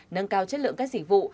nâng cao chất lượng các dịch vụ